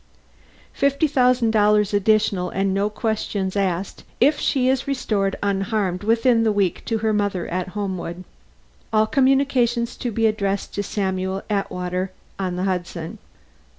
Fifty thousand dollars additional and no questions asked if she is restored unharmed within the week to her mother at Homewood. All communications to be addressed to Samuel Atwater, on the Hudson.